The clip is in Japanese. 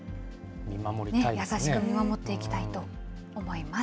優しく見守っていきたいと思います。